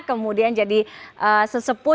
kemudian jadi sesepuh